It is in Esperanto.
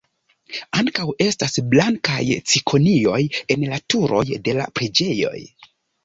Ankaŭ estas blankaj cikonioj en la turoj de la preĝejoj.